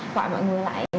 thì em gọi mọi người lại